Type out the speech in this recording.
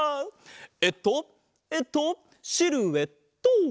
えっとえっとシルエット！